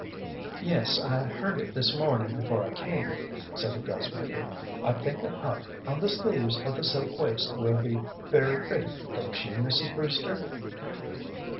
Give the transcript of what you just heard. "Yes, I heard it this morning before I came," said the dressmaker. "I think a puff on the sleeves of the silk waist will be very pretty, don't you, Mrs. Brewster?"